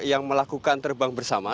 yang melakukan terbang bersama